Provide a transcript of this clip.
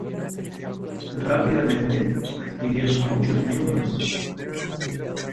Rápidamente adquirieron muchos miembros.